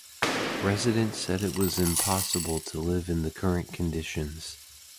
Residents said it was impossible to live in the current conditions.